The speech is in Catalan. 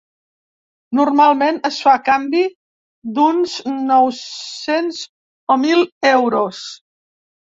Normalment, es fa a canvi d’uns nou-cents o mil euros.